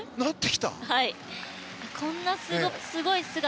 こんなすごい姿。